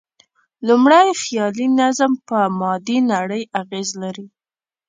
لومړی، خیالي نظم په مادي نړۍ اغېز لري.